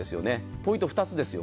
ポイントは２つです。